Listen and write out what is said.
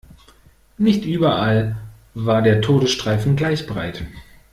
Nicht überall war der Todesstreifen gleich breit.